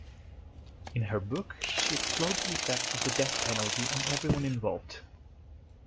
In her book, she explored the effects of the death penalty on everyone involved.